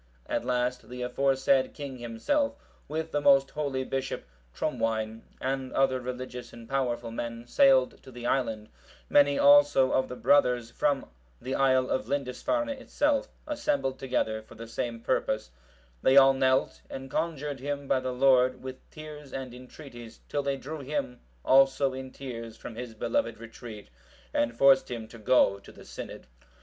At last the aforesaid king himself, with the most holy Bishop Trumwine,(751) and other religious and powerful men, sailed to the island; many also of the brothers from the isle of Lindisfarne itself, assembled together for the same purpose: they all knelt, and conjured him by the Lord, with tears and entreaties, till they drew him, also in tears, from his beloved retreat, and forced him to go to the synod.